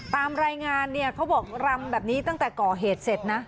ตามรายงานเนี่ยเขาบอกรำแบบนี้ตั้งแต่ก่อเหตุเสร็จนะ